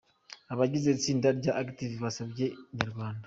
Abagize itsinda rya Active basabye Inyarwanda.